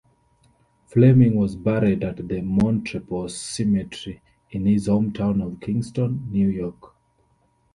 Flemming was buried at the Montrepose Cemetery in his hometown of Kingston, New York.